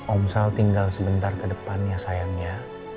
om sal tinggal sebentar ke depannya sayangnya